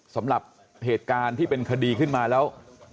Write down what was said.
สำหรับเหตุการณ์ที่เป็นคดีขึ้นมาแล้ว